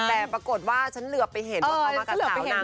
แต่ปรากฏว่าฉันเหลือไปเห็นว่าเขามากับสาวนาง